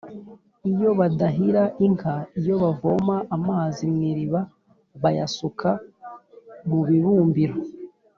iyo badahira inka (iyo bavoma amazi mu iriba bayasuka mu bibumbiro)